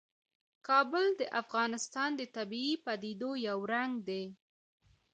کابل د افغانستان د طبیعي پدیدو یو رنګ دی.